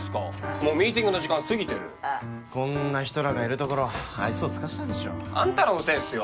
もうミーティングの時間過ぎてるこんな人らがいるところ愛想尽かしたんでしょあんたらのせいっすよ